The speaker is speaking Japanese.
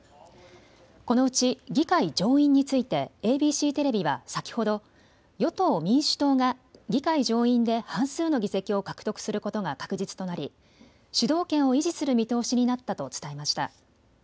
このうち議会上院についてＡＢＣテレビは先ほど与党・民主党が議会上院で半数の議席を獲得することが確実となり主導権を維持する見通しになったと伝えました。